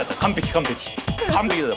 完璧だよ！